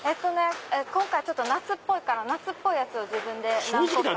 今回夏っぽいから夏っぽいやつを自分で何個か。